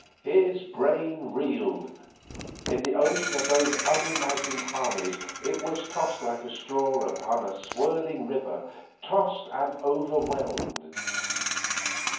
His brain reeled. In the ocean of those unimagined harmonies it was tossed like a straw upon a swirling river, tossed and overwhelmed.